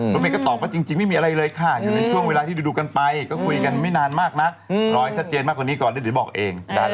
รถเมย์ก็ตอบว่าจริงไม่มีอะไรเลยค่ะอยู่ในช่วงเวลาที่ดูกันไปก็คุยกันไม่นานมากนักรอให้ชัดเจนมากกว่านี้ก่อนแล้วเดี๋ยวบอกเอง